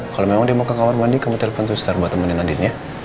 kalau memang dia mau ke kamar mandi kamu telpon suster buat temenin adinnya